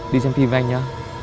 đi xem phim với anh nhá